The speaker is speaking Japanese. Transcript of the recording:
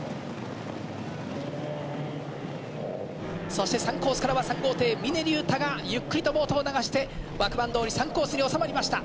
そして３コースからは３号艇峰竜太がゆっくりとボートを流して枠番どおり３コースに収まりました。